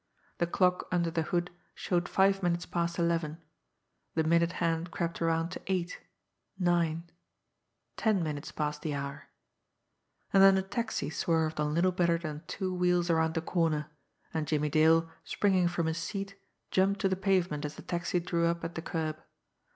The clock under the hood showed five minutes past eleven; the minute hand crept around to eight, nine, ten minutes past the hour and then a taxi swerved on little better than two wheels around the corner and Jimmie Dale, springing from his seat, jumped to the pavement as the taxi drew up at the curb.